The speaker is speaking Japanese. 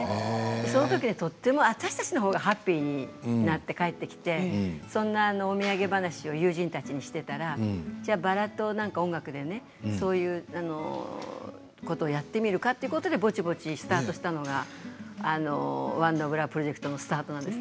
そのときにとても私たちのほうがハッピーになって帰ってきてそんなお土産話を友人たちにしていたらじゃあバラと音楽でそういうことをやってみるかということでぼちぼちスタートしたのがＯｎｅｏｆＬｏｖｅプロジェクトのスタートなんです。